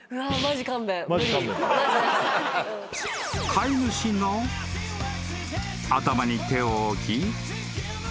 ［飼い主の頭に手を置き］